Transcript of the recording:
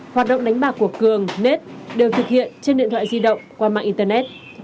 hoạt động đánh bạc của cường net đều thực hiện trên điện thoại di động qua mạng internet